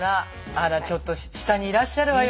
あらちょっと下にいらっしゃるわよ